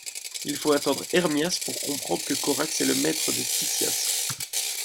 Il faut attendre Hermias pour comprendre que Corax est le maître de Tisias.